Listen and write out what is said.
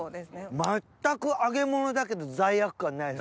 全く揚げ物だけど罪悪感ない。